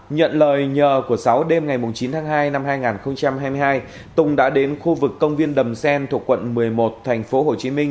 nhận lời nhờ của sáu đêm ngày chín tháng hai năm hai nghìn hai mươi hai tùng đã đến khu vực công viên đầm sen thuộc quận một mươi một thành phố hồ chí minh